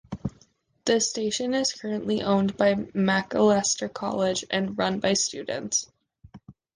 The station is currently owned by Macalester College and run by students.